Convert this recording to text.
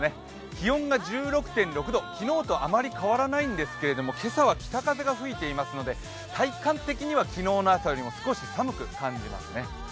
気温が１６．６度、昨日とあまり変わらないんですけれど今朝は北風が吹いていますので体感的には昨日の朝よりも少し寒く感じますね。